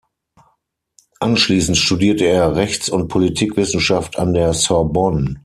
Anschließend studierte er Rechts- und Politikwissenschaft an der Sorbonne.